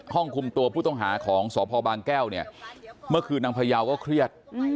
ห้องคุมตัวผู้ต้องหาของสพบางแก้วเนี่ยเมื่อคืนนางพยาวก็เครียด